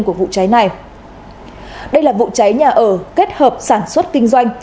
của vụ cháy này đây là vụ cháy nhà ở kết hợp sản xuất kinh doanh